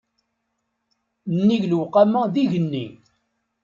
Nnig lewqama d igenni.